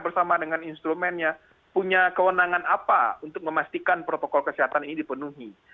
bersama dengan instrumennya punya kewenangan apa untuk memastikan protokol kesehatan ini dipenuhi